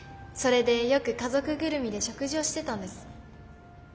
それでよく家族ぐるみで食事をしてたんです。